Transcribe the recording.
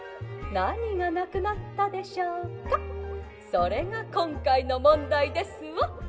それがこんかいのもんだいですわ！」。